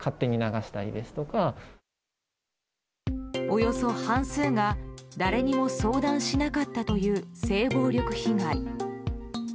およそ半数が誰にも相談しなかったという性暴力被害。